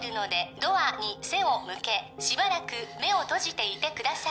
ドアに背を向けしばらく目を閉じていてください